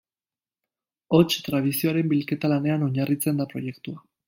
Hots, tradizioaren bilketa-lanean oinarritzen da proiektua.